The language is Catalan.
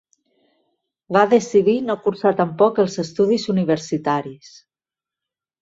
Va decidir no cursar tampoc els estudis universitaris.